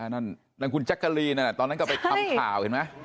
แล้วคุณจักรีนอะตอนนั้นก็ไปทำข่าวเห็นมั้ย